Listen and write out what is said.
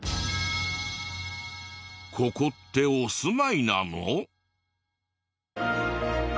ここってお住まいなの？